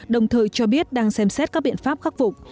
đồng thời cho biết đang xem xét các biện pháp khắc phục